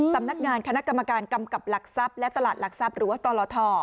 สำนักงานคณะกรรมการกำกับหลักทรัพย์และตลาดหลักทรัพย์หรือว่าตลท